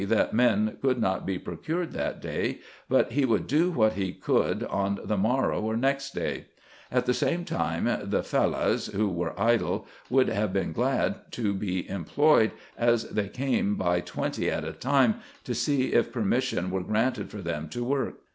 43 that men could not be procured that day, but he would do what he could on the morrow or next day : at the same time the Fellahs, who were idle, would have been glad to be employed, as they came by twenty at a time to see if permission were granted for them to work.